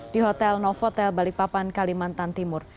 di hotel novotel balikpapan kalimantan timur